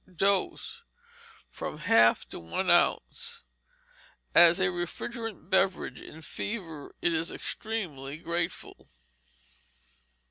Dose, from half to one ounce. As a refrigerant beverage in fevers it is extremely grateful.